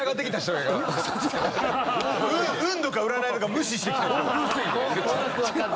運とか占いとか無視してきた人だから。